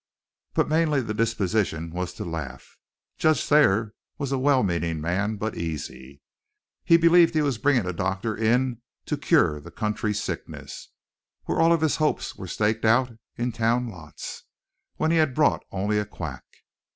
But mainly the disposition was to laugh. Judge Thayer was a well meaning man, but easy. He believed he was bringing a doctor in to cure the country's sickness, where all of his hopes were staked out in town lots, when he had brought only a quack.